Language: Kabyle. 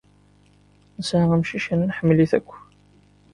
Nesɛa amcic yerna nḥemmel-it akk.